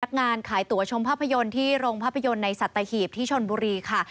งานขายตั๋วชมภาพยนตร์ที่โรงภาพยนตร์ในสัตหีบที่ชนบุรีค่ะ